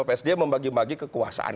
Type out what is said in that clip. psd membagi bagi kekuasaan